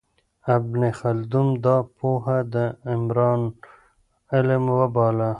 ابن خلدون دا پوهه د عمران علم وباله.